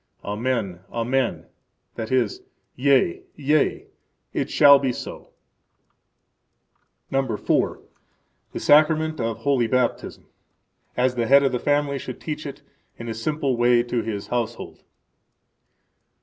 Amen, Amen; that is, Yea, yea, it shall be so. The Sacrament of Holy Baptism As the head of the family should teach it in a simple way to his household.